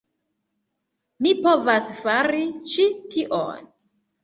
Mi povas fari ĉi tion!